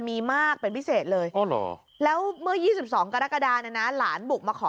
มีมากเป็นพิเศษเลยอ๋อหรอแล้วเมื่อ๒๒กรกฎานะล้านบุกมาขอ